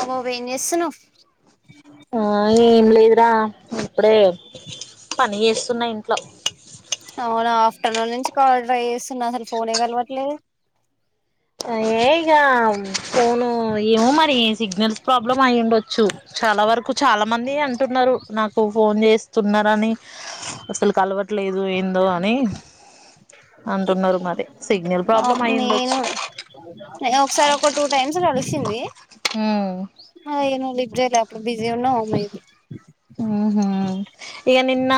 అబ్బో ఏం చేస్తున్నావ్ ఆ ఏం లేదురా ఇప్పుడే పని చేస్తున్నా ఇంట్ల పట్టనూలు నుంచి కాల్ ట్రై చేస్తున్నా అసలు ఫోనే కలవట్లేదు ఏం ఇగా ఫొను ఏమొ మరి ఈ సిగ్నల్స్ ప్రాబ్లం అయి ఉండొచ్చు చాలా వరకు చాలా మంది అంటున్నారు నాకు ఫోన్ చేసి స్తున్నారని అసలు కలవట్లేదు ఏందో అని అంటున్నారు మరి సిగ్నల్ ప్రాబ్లమ్ అయ్యండొచ్చు ఏం ఒకసారి ఒక టూ టైమ్స్ కలిసింది ఉమ్ ఆ ఏమో లిటరల్లీ అప్పుడు బిజీ ఉన్న [unintelligible] ఊహూ ఇగ నిన్న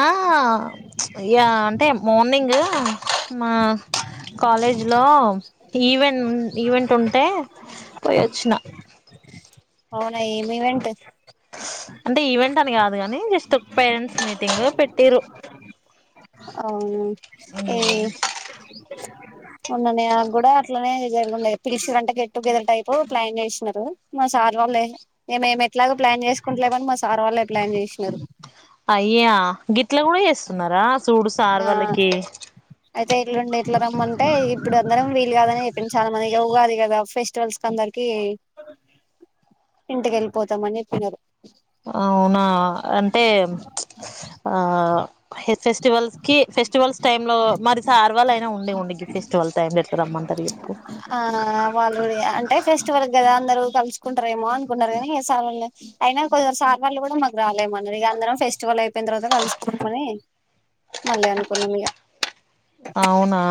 ఇగ అంటే మార్నింగ్ మా కాలేజీ లో ఈవెంట్ ఈవెంట్ ఉంటే పోయి వచ్చిన అవునా ఏమి ఈవెంట్ అంటే ఈవెంట్ అని కాదు కాని జస్ట్ ఒక పేరెంట్స్ మీటింగ్ పెట్టిరు అవు ఏ ఉన్ననే నాకు కూడా అట్లనే జరుగుండ పిలుచల అంటే గెట్టుగెదర్ టైపు ప్లాన్ చేసినారు మా సార్ వాళ్ళే మే మేమి ఎట్లాగ ప్లాన్ చేసుకుంటలేమని మా సార్ వాళ్ళే ప్లాన్ చేసినారు అయ్యా గిత్ ఇట్లా కూడా చేస్తున్నారా సుడు సార్ ఆ వాళ్ళకి అయితే ఎట్లుండి ఎట్లా రమ్మంటే ఇప్పుడు అందరం వీలు కాదని చెప్పి చాలా మందిగా ఊగాది కదా ఫెస్టివల్స్ క అందరికి ఇంటికి వెళ్ళిపోతామని చెప్పినారు అవునా అంటే ఆ ఫెస్టివల్స్ కి ఫెస్ ఫెస్టివల్స్ టైమ్ లో మరి సార్ వాళ్ అయినా ఉండే ఉండి గి ఫెస్టివల్స్ టైం లో ఎట్లా రమ్మంటారు ఎప్పు. ఆ వాళ్ళు కూడా అంటే ఫెస్టివల్ కదా అందరు కలుసుకుంటారేమో అనుకున్నర్ కానీ ఇగ ఏ సార్ వాళ్ లేం, అయినా కొందర్ సార్ వాళ్ళు కూడా మాకు రాలేమ్, అన్నార్ ఇగ అందరం ఫెస్టివల్ అయిపోయిన తర్వాత కలుసుకున్ మని మళ్ళీ అను. కొన్నమ్ ఇగ అవునా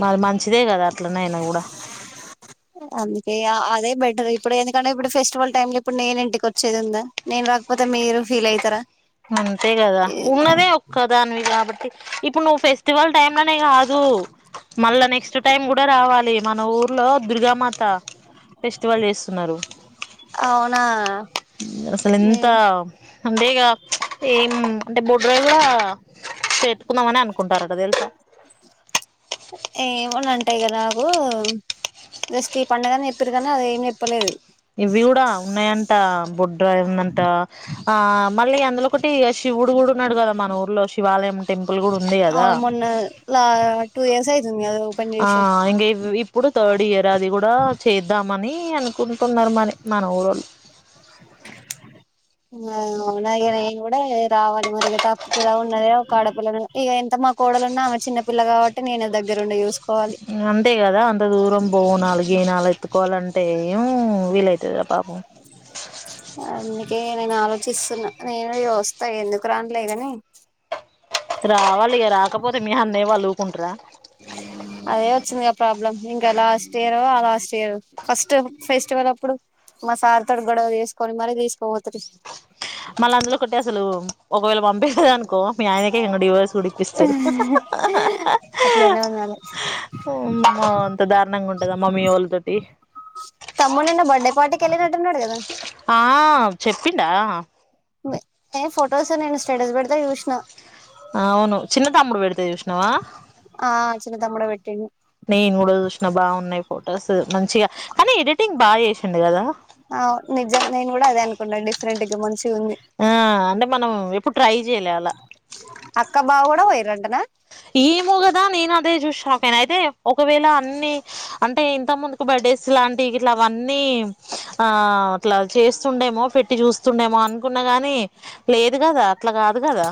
మది మంచిదే కదా అట్లనేైనా కూడా అందుకే అదే బెటర్. ఇప్పుడు ఎందుకంటే ఇప్పుడు ఫెస్టివల్ టైమ్ లో ఇప్పుడు నేను ఇంటికి వచ్చేది ఉందా, నేన్ రాకపోతే మీరు ఫీల్ అయితరా. అంతే కదా ఉన్నదే ఒక్క దానివి కాబట్ టి ఇప్పుడు నువ్వు ఫెస్టివల్ టైమ్ లనే కాదు మళ్ళా నెక్స్ట్ టైం కూడా రావాలి, మన ఊర్లో దుర్గామాత ఫెస్టివల్ చేస్తున్నారు. అవునా అసలు ఎంత నేను అంటే ఇక ఏం అంటే మూడు రోజుగా పెట్టుకుందామని అనుకుంటారట తెలుసా ఏమని అంటాయి కదా నాకు జస్ట్ ఈ పడుగనే చెప్పారు కానీ అది ఏమి చెప్పలేదు ఇవి కూడా ఉన్నాయంట బొడ్డ ఏందంట ఆ మళ్ళీ అ ఒకటి శివుడు కూడా ఉన్నాడు కదా మన ఊర్లో శివాలయం టెంపుల్ కూడా ఉంది కదా అవును మొన్న లా టూ ఇయర్స్ అయితుంది కదా ఓపెన్ ఆ చేసి ఇం ఇప్పుడు థర్డ్ ఇయర్ అది కూడా చేద్దాం మని అనుకుంటున్నారు మరి మన ఊళ్ళ్ళు వునాగే నేను కూడా రావాలి మరి త అప్పుతుదా ఉన్నద ఒక ఆడపిల్ల ఇక ఎంత మా కోడలు ఉన్నా ఆమె చిన్నపిల్ల కాబట్టి నేనే దగ్గర ఉండే చూసుకో అంతే కదా అంత దూరం బోవునాలు గనాలు ఎత్తుకోవాలంటే ఏం వీలైతుది కదా పాపం అందుకే నేను ఆలోచిస్తున్నా నేను చ వస్తా ఎందుకు రానలేదని రావాలి ఇక రాకపోతే మీ అన్నయ వాలువుకుంటార అదే వచ్చిందిగా ప్రాబ్లమ్ ఇంకా లాస్ట్ ఇయర్ ఆ లాస్ట్ ఇయర్ ఫస్ట్ ఫెస్టివల్ అప్పుడు మా సార్ తోడు గొడవ తీసుకొని మరీ తీసుకోపోతు మళ్ళీ అందులో కొట్టటి అసలు ఒకవేళ పంపలేద అనుకో మీ ఆయనక ఇ డివర్స్ గుడి ఇప్పస్తారు అట్లా ఉన్నాాలి అమ్మో అంత దారుణంగా ఉంటదా మమ్మీ వాళ్ళతోటి తమ్మ ఎన్న బర్డే పార్టీకి వెలి డేద ఆ చెప్పిడా ఏ ఫొటోస్ నేను స్టేటస్ పెడతే చూసిన ఆ అవును చిన్న తామ్ముడు బడతది ఉష్ణవా అ తడ వెట్టి నను కూడా చూసినా బాగున్నాయి ఫొటోస్ మంచిగా కానీ ఎడిటింగ్ బాగా చేసిండు కదా ఆ నిజ నన్ను కూడా అదే అనుకంట డిఫరెంట్గా ముంచి ఆ అంటే మనం ఇప్పుడు ట్రై చేయ్య అాలలా అక్క బావ కూడా కూడా వైరంటనా ఏమోగదా నేను అదే చూసా పన అయితే ఒకవేళ అన్ని అంటే ఇంత ముందుకు బర్డేస్ లాంటివి ఇట్లా అవన్నీ ఆ అట్లా చేస్తుండేమో పెట్టి చూస్తుండేమో అనుకున్న గాని లేదు కదా అట్లా కాదు కదా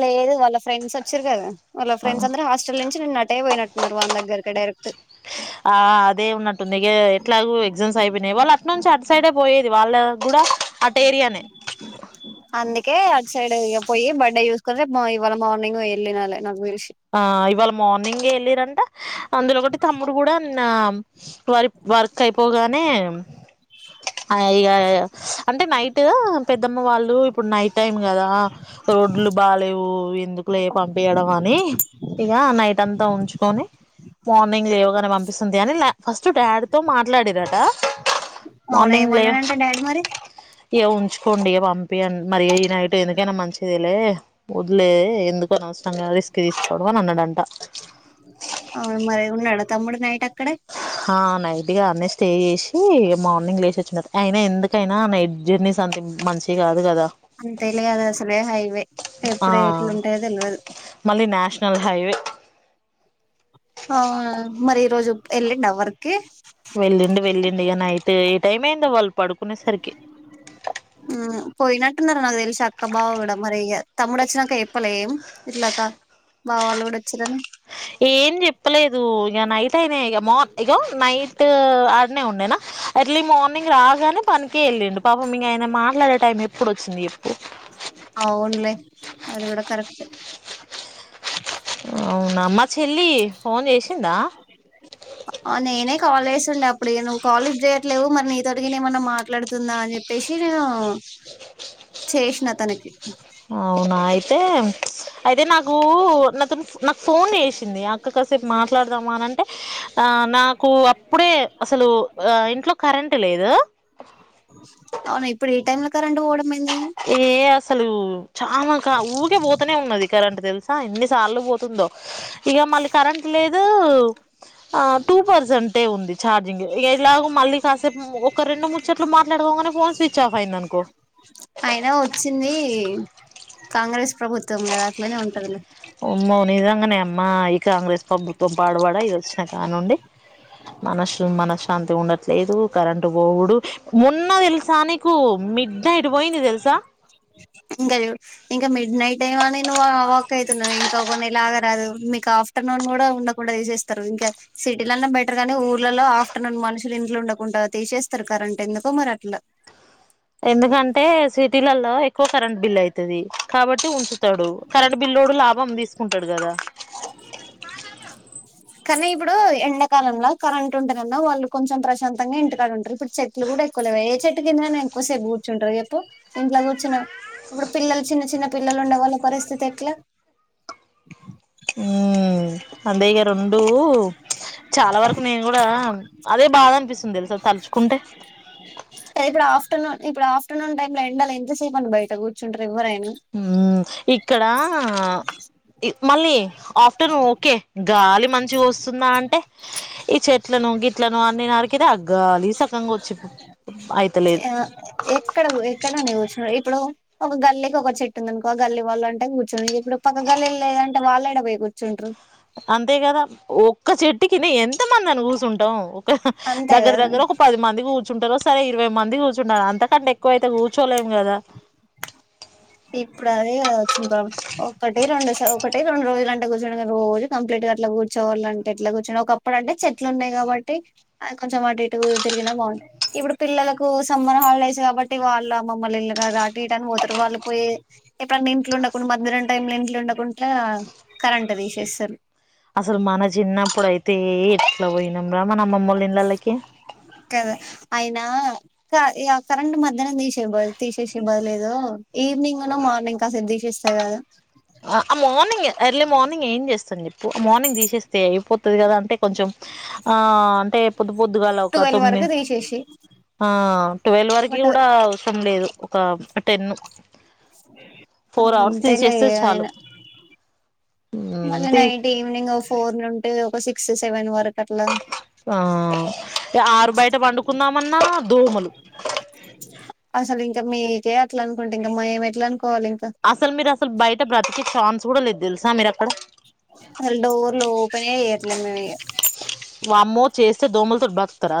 లేదు వాళ్ళ ఫ్రెంస్ వచ్చారు కాదా వాళ్ళ ఫ్రెడ్స్ అందర హాస్టల్ నుంచి నిన్న నటే పోయినట్న్నారు వాళ్ దగ్గకి డైరెక్ట్ ఆ అదే ఉన్నట్టుంది ఇక ఎట్లాగ ఎగ్జామ్స్ అయిపోయినాయి వాళ్ళు అటునుంచి అటు సైడే పోయేది వాళ్ళ గుడ అందుకే సైడ్ ఇ పోయి బడ్డ యూస్కుే ఇవాళ మార్నింగ్ వెళ్లి నళ నాకు తెలిసి ఆ ఇవాళ మార్నింగ్ ఏ ఎల్లిరంట అందులో ఒకటి తమ్ముడు కూడా న్నామ్ వరి వర్ స్ అయిపోగానే, ఆ ఇగా అంటే నైట్ పెద్దమ్మ వాళ్ళు ఇప్పుడు నైట్ టైం కదా, రోడ్లు బాలేవు ఎందుకులే పంపియడం అని. ఇగా నైట్ అంతా ఉంచుకొని మార్నింగ్ లేవ్ తనే పంపిస్తుంది అని ల ఫస్ట్ డాడ్ తో మాట్లాడిరట. అవునా ఏమన్నాడంట డాడీ మరి ఇగా ఉంచుకోండి, పంపిఅం మరి ఈ నైట్ ఎందుకైనా మంచిది లే వదిలేది ఎందుకు అనవసరంగా రిస్క్ తీస్ వదలనన్నాడంట అవ్ను మరి ఉన్నాడ తమ్ముడు నైట్ అక్ హా నైట్ ఇగా అన్నే స్టే చేసి మార్నింగ్ లేసి వచ్చినారు అయినా ఎందుకైనా నైట్ జర్నీస్ అంత మంచివ్ కాదు కదా అని తెలియదు అసలే హైవే ఆ ఎప్పుడు ఎట్లుంటయో తెల్వదు మళ్ళీ నేషనల్ హైవే అవ్నా మరి ఈ రోజు ఎల్లిండా వర్క్ కి ఏమైందో వాల్ పడుకునేసరికి హ్మ్ పోయినట్టున్నారు నాక్ తెలిసి అక్క బావ కూడా, మరి ఇగా తమ్ముడు వచ్నాక చెప్పలేం ఇట్లాక బా వాళ్ళు కూడా వచీనారని ఏం చెప్పలేదు ఇక నైట్ అయినా ఇక మొత్త్ ఇగో నైట్ ఆడ్నే ఉండేనా ఎర్లీ మార్నింగ్ రాద్ గానీ పనికి ఎల్లిండు పాపం మీ ఆయన మాట్లాడే టైం ఎప్పుడు వచ్చింది. ఎప్పుడు అవునులే అది కూడా కరెక్టే అవునా మా చెల్లి ఫోన్ చేసిందా ఆ నేనే కాలే చేస్తుండే అప్పుడు నువ్వు కాల్ లిఫ్ట్ చేయట్లేవు మరి నీతోటికి గిన్నె ఏమన్నా మాట్లాడుతుందా అని చెప్పేసి నేను చేసిన తననికి అవునా అయితే అయితే నాకు అతను నాకు ఫోన్ చేసింది అక్క కాసేపు మాట్లాడదామా అని టె ఆ నాకు అప్పుడే అసలు ఆ ఇంట్లో కరెంట్ లేదు అవును ఇప్పుడు ఈ టైమ్ లో కరెంట్ పొడ ఏ ఆస అసలు చాలాకా ఊకే పోతనే ఉన్నది కరెంట్ తెలుసా ఎన్ని సార్లు పోతుందో ఇగ మళ్ళి కరెంట్ లేదు రు ఆ టూ పర్సంటేజ్ ఉంది ఛార్జింగ్ ఇక ఇలాగ మళ్ళీ కాసేపు ఒక రెండు ముచ్చట్లు మాట్లాడుకోగానే ఫోన్ స్విచ్ ఆఫ్ అయింది అనుకో అయినా వచ్చింది కాంగ్రెస్ ప్రభుత్వం కదా అట్లనే ఉంటదిలే మా కాంగ్రెస్ ప్రభుత్వం పాడబడ ఇది వచ్చిన కానుండి మనసు మనశ్శాంతి ఉండట్లేదు కరెంటు పోవుడు మున్న వెల్సా కు మిడ్ నైట్ పోయింది తెలుసా తేవాని వర్క్ అవుతున్నా ఇంకా కొన్ని ఇలా దు మీకు ఆఫ్టర్నూన్ కూడా ఉండకుండా తీసేస్తారు ఇంకా సిటీలనే బెటర్ కానీ ఊర్లలో ఆఫ్టర్నూన్ మనుషులు ఇంట్లో ఉండకుండా తీసేస్తారు కరెంట్ ఎందుకో మరి అట్లా ఎందుకంటే సిటీలలో ఎక్కువ కరెంట్ బిల్ అయితది కాబట్టి ఉంచుతాడు కరెంటు బిల్లోడు లాభం తీసుకుంటాడు కదా కానీ ఇప్పుడు ఎండాకాలంలో కరెంట్ ఉంట కన్నా వాళ్ళు కొంచెం ప్రశాంతంగా ఇంటికాడ ఉంటారు ఇప్పుడు చెట్లు కూడా ఎక్కువ లేవ ఏ చెట్టు కింద ఎక్కువసేపు కూర్చుంటారు ఎప్పు ఇంట్లో కూర్చున్న ఇప్పుడు పిల్లలు చిన్న చిన్న పిల్లలు ఉండే వాళ్ళ పరిస్థితి ఎట్లా ఉ అందే ఇగ రెండు చాలా వరకు నేను కూడా అదే బాధ అనిపిస్తుంది తెలుసా తలుచుకుంటే ఆఫటనూన్ ఇప్పు ఆఫ్ర్నూన్ టై ఎండాల ఎంతసేపు అని బయట కూర్చుంటారు ఎవర ఇక్కడ మళ్ళీ ఆఫ్టర్నూన్ ఓకే గాలి మంచిగ వస్తుందా అంటే ఈ చెట్లను గిట్లను అన్ని నరికిన గాలి సక్కంగా వచ్చి అయితలేదు ఆ ఎక్కడ ఎక్కడని కూర్చున్నాడు ఇప్పుడు ఒక గల్లీకి ఒక చెట్టు ఉందినుకో గల్లి వాళ్ళు అంటే కూర్చు ఇప్పుడు పక్క గల్లీ లేదంటే వాళ్ళుడ పోయి కూర్చుంటారు అంతే కదా ఒక్క చెట్టుకినే ఎంత మంది అని కుసు ఉంటాం అంతే దగ్గర కదా దగ్గర ఒక పది మందికి కూ ఉంటార సే ఇరవై మంది కూర్చుంటారు అంతకంట ఎక్కువ అయితే కూర్చోలేము కదా ఇప్పుడు అది వచ్చంది ప్రాబ్ల ఒకటి రెండు ఒకటి రెండు రోజులు అంటే కూర్చుని రోజు కంప్లీట్ గా అట్లా కూర్చోవాళ్ళు అే ఇట్లా కూర్చొడి ఒకప్పుడు అంటే చెట్లున్నాయి కాబట్టి అది కొంచెం అటు ఇటు తిరిగినా బాగుంటయి ఇప్పుడు పిల్లలకు సమ్మర్ హాలిడేస్ కాబట్టి వాళ్ళుమ్మమ్మల్ ఇల్లుారు అటు ఇటు అని పోతారు వాళ్ళు పోయి ఎప్పుడన్న ఇంట్లో ఉండకుండా మధ్యనం టై లో ఇంట్లో ఉండకుండా కరెంట్ తీసేస్తారు అసలు మన చిన్నప్పుడు అయితే వొనంరా మన అమ్మ నమ్మ్మలు ఇలలకి కదా అయినా కరెంట్ మధ్యనం తీసేయ తీసేసే బదిలేదు ఈవినింగ్ ఉన మార్నింగ్ కాస తీసేస్తాయి కదా ఆ మార్నింగ్ ఎర్లీ మార్నింగ్ ఏం ది కద అంటే కొంచెం ఆ అంటే పొద్దు పొద్దుగాల ఒక ట్వెల్వ్ తొమ్మిది వరకు తీసేసి ఆ ట్వల్వ్ వరకి బట్ కూడా అవసరం లేదు ఒక టెన్ ఆ ఫోర్ అవర్స్ అంతలే తీసేస్తే చాలు అయినా మళ్ళీ తీ నైట్ ఈవినింగ్ ఫోర్ నుంట ఒక సిక్స్ సెవెన్ వరకు అట్లా ఆ ఆరు బయట పండుకుందామన్నా దోమలు ఇంకా మీక అలా అనుకుంటే ఇంకా మేం ఎట్లా అ అసలు మీరు అసలు బయట బ్రతికి చా ఎప్పుడూ లేదు తెలుసా మీర అ డోర్లు ఓపన్ చేరిలే మే వామ్మో చేస్తే దోమలుతోటి బతుకతర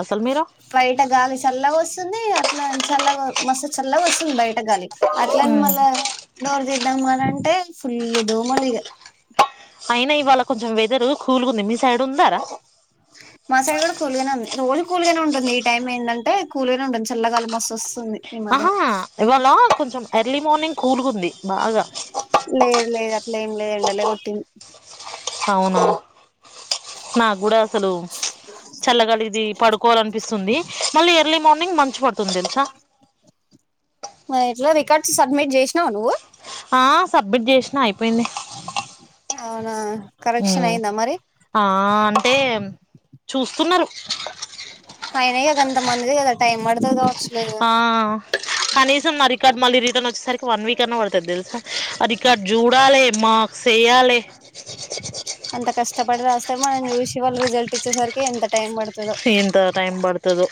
బయట గాలి చల్లగా వస్తుంది ఇట్లా చల్లగా మస్తు చల్ల వస్తుంది బయట గాలి అట్లని మళ్ళా డోర్ తీద్దామా అనంట అ ఫుల్ దోమలుగా అయినా ఇవాళ కొంచెం వెదరు కల్కుంది మీ సైడ్ ఉందారా మా సైడ్ కూడా కూల్ గానే ఉంది రోజు కూల్ గానే ఉంటుంది ఈ టైం ఏంటంటే కూల్గానే ఉంటుంది చల్లగాల్మస్ వస్తుంది ఈ మధ్యన ఆహా ఇవాళ కొంచెం ఎర్లీ మార్నింగ్ కూల్కుంది బాగా ఇం లే ఉంటల కొట్ అవును నాకు కూడా అసలు చల్లగాలి ఇది పడుకోవాల అనిపిస్తుంది మళ్ళీ ఎర్లీ మార్నింగ్ మంచి పడుంది తెలుసా ఎట్లా రికార్డ్స్ సబ్మిట్ చేసినావు నువ్వు ఆ సబ్మిట్ చేసిన అయిపోయింది అవునా ఉ కరెక్షన్ అయిందా మరి ఆ అంటే చూస్తున్నారు అయనదంత మందిద టైమ్ మతు ఆ కనీసం నా రికార్డు మళ్ళీ రిటర్న్ వచ్చేసరికి వన్ వీక్ అన్నా పడుతుది తెలుసా ఆ రికార్డు చూడాలి మా వాలి ఇప్పుటి రాస్తే మన చూసి వాళ్ళు రిజల్ట్ ల ఇచ్చసరికి ఎంత టైం పడుంది ఇంత టైమ్ బడుతధో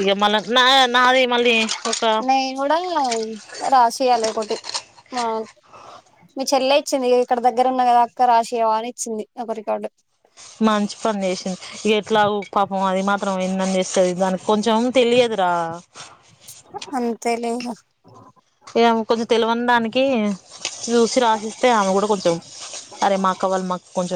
ఇక మళ్ళ నా నాది మళ్ళీ ఒక న కూడా రాసియాల ఒకటి ఆ మీ చెల్లె ఇచ్చింది ఇక్కడ దగ్గరన్న కదా అక్క రాసియవా అని ఇచ్చింది ఒక రికార్డు మంచి పని చేసింది ఎట్లా ఓ పాపం అది మాత్రం ఎందని చేస్తుంది దానికి కొంచెం తెలియదురా అంతే లేదు ఇగ ఇగ కొంచెం తెలవని దానికి చూసి రాసిస్తే ఆమె కూడా కొంచెం అరే మా అక్క వాళ్ళు మాకు కొంచెం